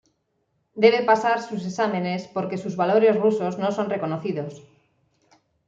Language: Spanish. Debe pasar sus exámenes porque sus valores rusos no son reconocidos.